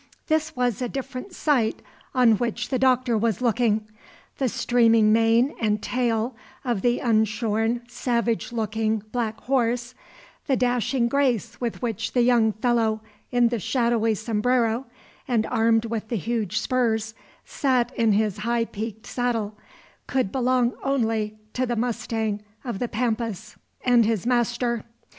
This was a different sight on which the Doctor was looking. The streaming mane and tail of the unshorn, savage looking, black horse, the dashing grace with which the young fellow in the shadowy sombrero, and armed with the huge spurs, sat in his high peaked saddle, could belong only to the mustang of the Pampas and his master.